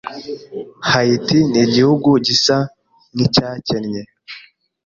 Haiti nigihugu gisa nkicyakennye.